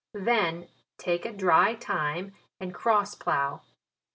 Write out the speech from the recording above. Then take a dry time and cross plough.